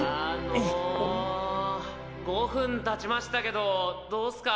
５分たちましたけどどーすか？